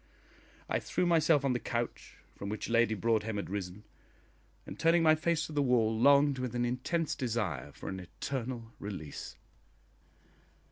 I threw myself on the couch from which Lady Broadhem had risen, and, turning my face to the wall, longed with an intense desire for an eternal release.